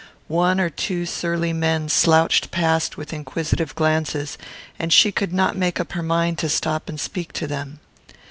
One or two surly looking men slouched past with inquisitive glances, and she could not make up her mind to stop and speak to them.